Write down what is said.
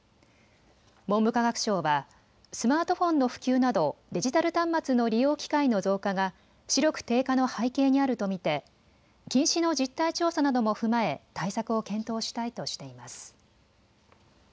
文部科学省はスマートフォンの普及などデジタル端末の利用機会の増加が視力低下の背景にあると見て近視の実態調査なども踏まえ対策を検討したいとしています。